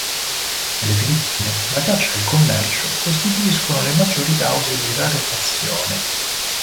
Nelle Filippine la caccia e il commercio costituiscono le maggiori cause di rarefazione.